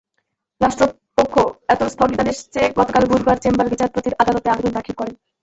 রাষ্ট্রপক্ষ এতে স্থগিতাদেশ চেয়ে গতকাল বুধবার চেম্বার বিচারপতির আদালতে আবেদন দাখিল করে।